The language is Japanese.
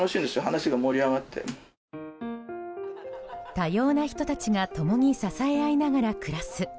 多様な人たちが共に支え合いながら暮らす。